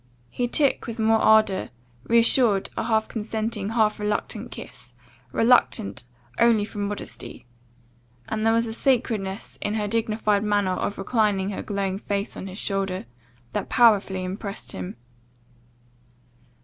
He took, with more ardour, reassured, a half consenting, half reluctant kiss, reluctant only from modesty; and there was a sacredness in her dignified manner of reclining her glowing face on his shoulder, that powerfully impressed him.